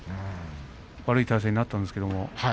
悪い体勢になったんですけれども。